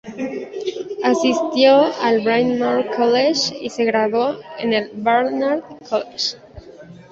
Asistió al Bryn Mawr College y se graduó en el Barnard College.